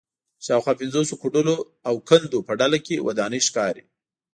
شاوخوا پنځوسو کوډلو او کندو په ډله کې ودانۍ ښکاري